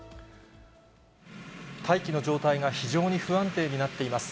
大気の状態が非常に不安定になっています。